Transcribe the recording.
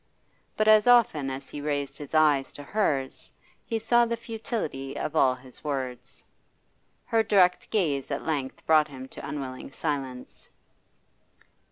But as often as he raised his eyes to hers he saw the futility of all his words. Her direct gaze at length brought him to unwilling silence.